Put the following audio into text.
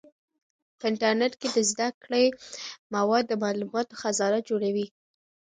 په انټرنیټ کې د زده کړې مواد د معلوماتو خزانه جوړوي.